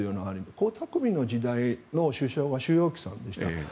江沢民の時代の首相は朱鎔基さんでした。